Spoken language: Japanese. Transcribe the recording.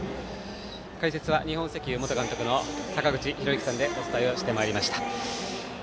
解説は元日本石油監督の坂口裕之さんでお送りしてきました。